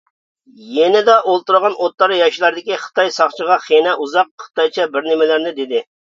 يېنىدا ئولتۇرغان ئوتتۇرا ياشلاردىكى خىتاي ساقچىغا خېنە ئۇزاق خىتايچە بىر نېمىلەرنى دېدى.